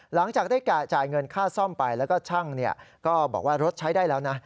หลังจากได้จ่ายเงินค่าซ่อมไปแล้วก็ช่างก็บอกว่ารถใช้ได้แล้วนะ